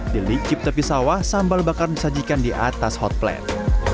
di licip tepi sawah sambal bakar disajikan di atas hot plate